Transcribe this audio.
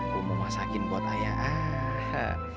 gue mau masakin buat ayah